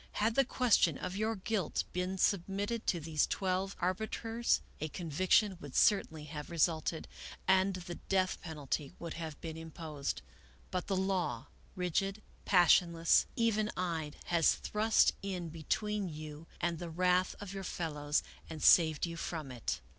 " Had the question of your guilt been submitted to these twelve arbiters, a conviction would certainly have resulted and the death penalty would have been imposed. But the law, rigid, passionless, even eyed, has thrust in between you and the wrath of your fellows and saved you from it.